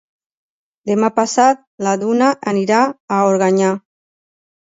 Demà passat na Duna anirà a Organyà.